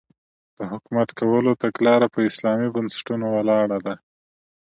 د حکومت کولو تګلاره په اسلامي بنسټونو ولاړه ده.